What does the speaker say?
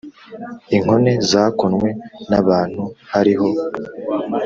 inkone zakonwe n ‘abantu hariho.